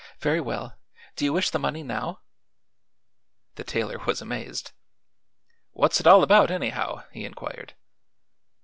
"Very well; do you wish the money now?" The tailor was amazed. "What's it all about, anyhow?" he inquired.